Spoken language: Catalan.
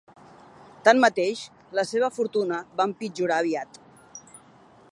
Tanmateix, la seva fortuna va empitjorar aviat.